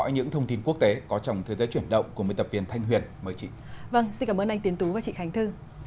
những thông tin quốc tế có trong thế giới chuyển động của mi tập viên thanh huyền mời chị vâng xin cảm ơn anh tiến tú và chị khánh thư